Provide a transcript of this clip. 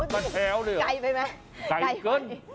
บ้านแพ้วเลยเหรอไกลไปไหมไกลเกิน